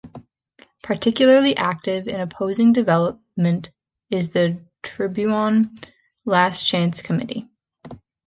Particularly active in opposing development is the Tiburon Last Chance Committee.